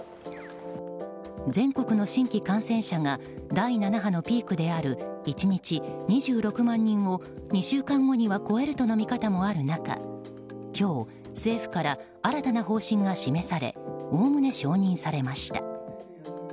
全国の新規感染者が第７波のピークである１日２６万人を２週間後には超えるとの見方もある中今日、政府から新たな方針が示されおおむね、承認されました。